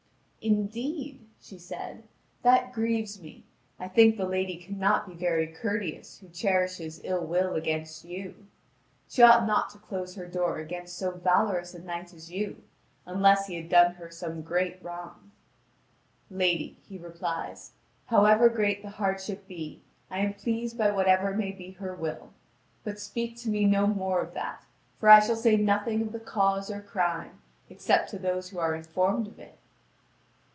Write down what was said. "Indeed," she said, "that grieves me. I think the lady cannot be very courteous who cherishes ill will against you. She ought not to close her door against so valorous a knight as you, unless he had done her some great wrong." "Lady," he replies, "however great the hardship be, I am pleased by what ever may be her will. But speak to me no more of that; for I shall say nothing of the cause or crime, except to those who are informed of it."